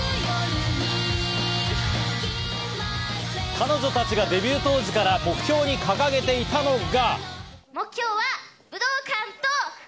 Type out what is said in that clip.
彼女たちがデビュー当時から目標に掲げていたのが。